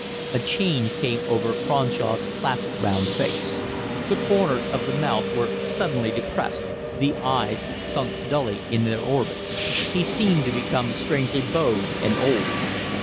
A change came over Cronshaw's placid, round face. The corners of the mouth were suddenly depressed, the eyes sunk dully in their orbits; he seemed to become strangely bowed and old.